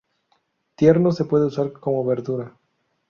Tierno se puede usar como verdura.